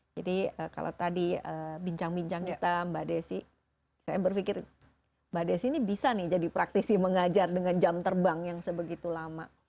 jadi kalau tadi bincang bincang kita mbak desy saya berpikir mbak desy ini bisa nih jadi praktisi mengajar dengan jam terbang yang sebegitu lama